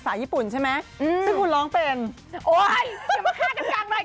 ซึ่งคุณร้องเป็น